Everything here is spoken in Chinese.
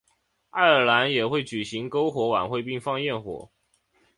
爱尔兰也会举行篝火晚会并放焰火。